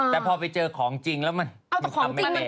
แต่พอไปเจอของจริงแล้วมันทำไม่เป็น